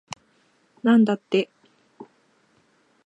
なんだって